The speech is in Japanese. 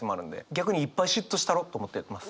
逆にいっぱい嫉妬したろと思ってやってます。